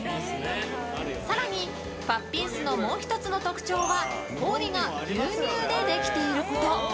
更に、パッピンスのもう１つの特徴は氷が牛乳でできていること。